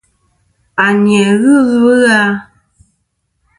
A ni-a ghɨ ɨlvɨ na.